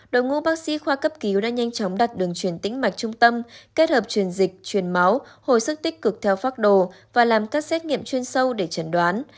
đội ngũ bác sĩ khoa cấp cứu đã nhanh chóng đặt đường truyền tĩnh mạch trung tâm kết hợp truyền dịch truyền máu hồi sức tích cực theo phác đồ và làm các xét nghiệm chuyên sâu để chẩn đoán